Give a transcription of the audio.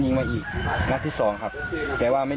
ยังไม่ได้บอกผมบอกพวกผมก็